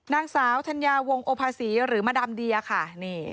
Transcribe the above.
นางสาวธัญญาวงโอภาษีหรือมาดามเดียค่ะนี่